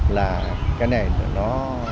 là cái này nó